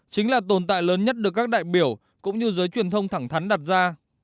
chính là tồn tại lớn nhất được các đại biểu cũng như giới truyền thông thẳng thắn đặt ra